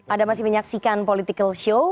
ada masih menyaksikan politikalshow